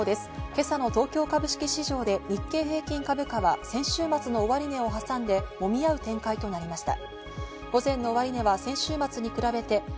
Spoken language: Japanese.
今朝の東京株式市場で日経平均株価は前週末の終値を挟んでもみ合う展開となりました。